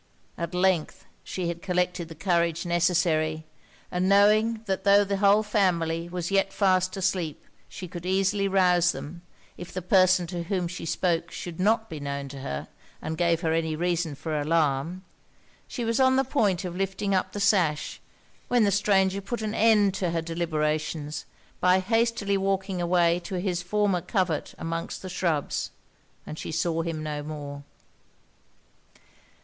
At length she had collected the courage necessary; and knowing that tho' the whole family was yet fast asleep she could easily rouse them, if the person to whom she spoke should not be known to her, and gave her any reason for alarm, she was on the point of lifting up the sash, when the stranger put an end to her deliberations by hastily walking away to his former covert among the shrubs; and she saw him no more.